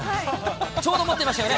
ちょうど待っていましたよね。